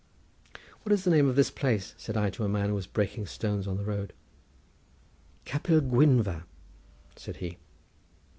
"What is the name of this place?" said I to a man who was breaking stones on the road. "Capel Gwynfa," said he.